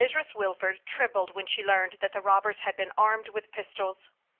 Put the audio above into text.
303 Mrs. Wilford trembled when she learned that the robbers had been armed with pistols.